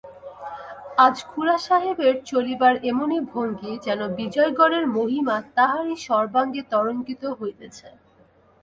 আজ খুড়াসাহেবের চলিবার এমনি ভঙ্গি, যেন বিজয়গড়ের মহিমা তাঁহারই সর্বাঙ্গে তরঙ্গিত হইতেছে।